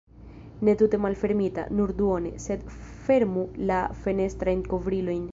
Ne tute malfermita, nur duone, sed fermu la fenestrajn kovrilojn.